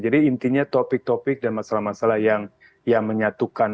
jadi intinya topik topik dan masalah masalah yang menyatukan dan sifatnya teduh mungkin